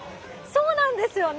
そうなんですよね。